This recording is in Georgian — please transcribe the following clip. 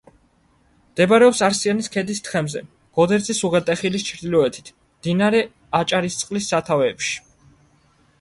მდებარეობს არსიანის ქედის თხემზე, გოდერძის უღელტეხილის ჩრდილოეთით, მდინარე აჭარისწყლის სათავეებში.